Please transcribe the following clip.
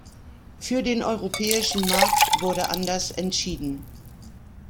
Für den europäischen Markt wurde anders entschieden.